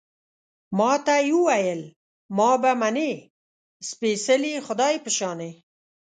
ما ته يې ویل، ما به منې، سپېڅلي خدای په شانې